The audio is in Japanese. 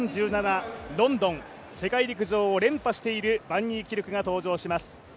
ロンドン世界陸上を連覇しているバン・ニーキルクが登場します。